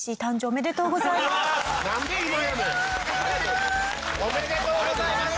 おめでとうございます！